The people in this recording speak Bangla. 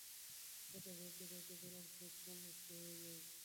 পাতা ঝরতে থাকে, এবং সব ফল নষ্ট হয়ে যায়।